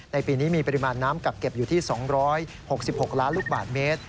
ปีนี้มีปริมาณน้ำกักเก็บอยู่ที่๒๖๖ล้านลูกบาทเมตร